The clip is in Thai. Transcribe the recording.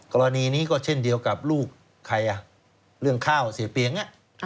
กรณีนี้ก็เช่นเดียวกับลูกใครอ่ะเรื่องข้าวเสียเปียง